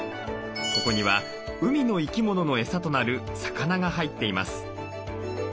ここには海の生き物のエサとなる魚が入っています。